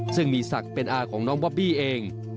ซึ่งมีศักดิ์เป็นอาของน้องบอบบี้เอง